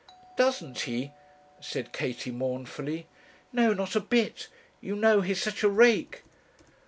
'Doesn't he?' said Katie, mournfully. 'No; not a bit. You know he's such a rake.'